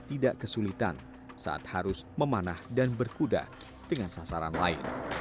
tidak kesulitan saat harus memanah dan berkuda dengan sasaran lain